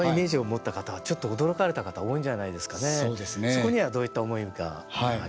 そこにはどういった思いがあり。